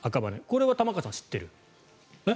これは玉川さん知ってる？え？